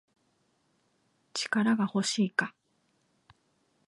力が欲しいか